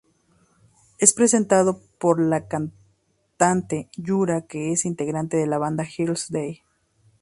Es presentado por la cantante Yura, que es integrante de la banda Girl's Day.